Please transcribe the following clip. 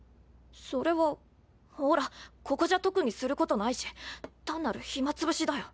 それはほらここじゃ特にすることないし単なる暇潰しだよ。